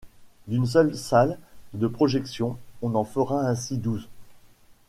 D’une seule salle de projection, on en fera ainsi douze.